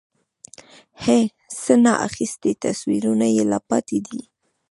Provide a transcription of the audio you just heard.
هَی؛ څه نا اخیستي تصویرونه یې لا پاتې دي